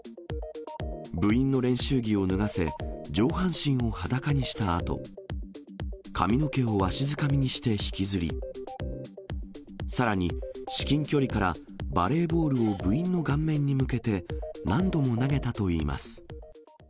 部員の練習着を脱がせ、上半身を裸にしたあと、髪の毛をわしづかみにして引きずり、さらに至近距離からバレーボールを部員の顔面に向けて何度も投げたといいます。